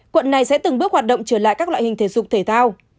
quận này sẽ từng bước hoạt động trở lại các loại hình thể dục thể thao